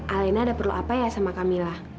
alena ada perlu apa ya sama camillah